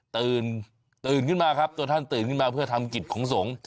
ตื่นตื่นขึ้นมาครับตัวท่านตื่นขึ้นมาเพื่อทำกิจของสงฆ์